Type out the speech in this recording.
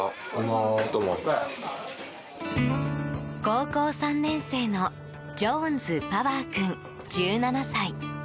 高校３年生のジョーンズ・パワー君、１７歳。